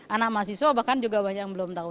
anak mahasiswa bahkan juga banyak yang belum tahu